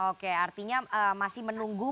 oke artinya masih menunggu bantuan dari pemerintah